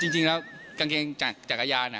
จริงแล้วกางเกงจักรยาน